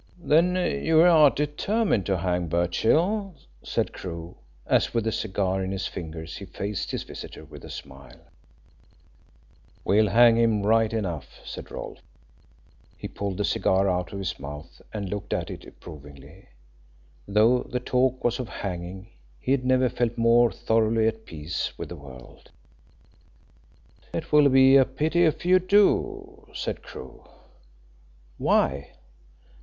"Then you are determined to hang Birchill?" said Crewe, as with a cigar in his fingers he faced his visitor with a smile. "We'll hang him right enough," said Rolfe. He pulled the cigar out of his mouth and looked at it approvingly. Though the talk was of hanging, he had never felt more thoroughly at peace with the world. "It will be a pity if you do," said Crewe. "Why?"